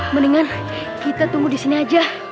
mendingan kita tunggu di sini aja